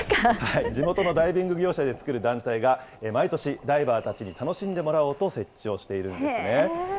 地元のダイビング業者で作る団体が、毎年ダイバーたちに楽しんでもらおうと設置をしているんですね。